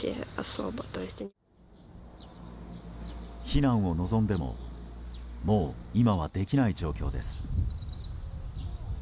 避難を望んでももう今はできない状況です。